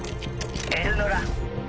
エルノラ。